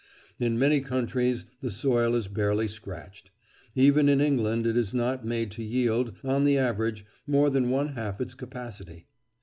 In many countries the soil is barely scratched. Even in England it is not made to yield, on the average, more than one half its capacity."